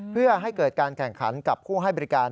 เพื่อให้เกิดการแข่งขันกับผู้ให้บริการ